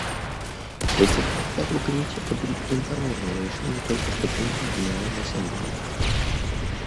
Председатель Пятого комитета будет проинформирован о решении, только что принятом Генеральной Ассамблеей.